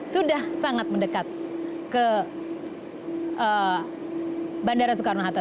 sudah sangat mendekat ke bandara soekarno hatta